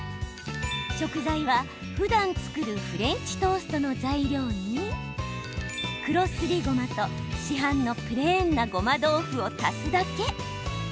食材は、ふだん作るフレンチトーストの食材に黒すりごまと市販のプレーンなごま豆腐を足すだけ。